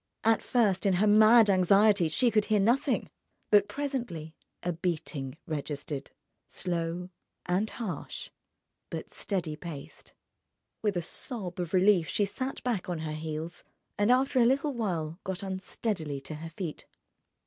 At first, in her mad anxiety, she could hear nothing. But presently a beating registered, slow and harsh but steady paced. With a sob of relief she sat back on her heels, and after a little while got unsteadily to her feet.